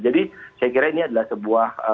jadi saya kira ini adalah sebuah